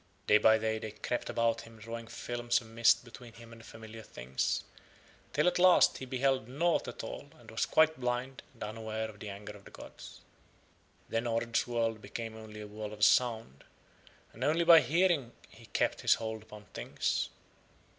Day by day They crept about him drawing films of mist between him and familiar things, till at last he beheld nought at all and was quite blind and unaware of the anger of the gods. Then Ord's world became only a world of sound, and only by hearing he kept his hold upon Things.